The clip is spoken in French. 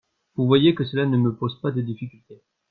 Vous voyez que cela ne me pose pas de difficultés.